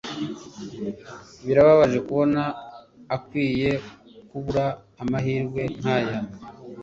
Birababaje kubona akwiye kubura amahirwe nkaya.